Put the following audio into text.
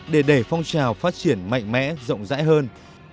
để đẩy phong trào phát triển mạnh mẽ rộng rãi hơn